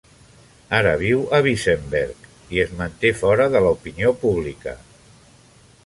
Ara viu a Vissenbjerg i es manté fora de l'opinió pública.